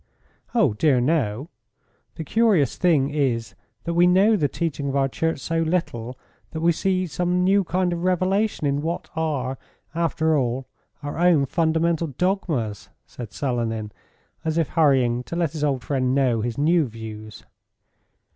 "Oh, dear, no. The curious thing is that we know the teaching of our church so little that we see some new kind of revelation in what are, after all, our own fundamental dogmas," said Selenin, as if hurrying to let his old friend know his new views.